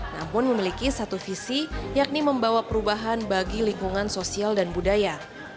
namun memiliki satu visi yakni membawa perubahan bagi lingkungan sosial dan budaya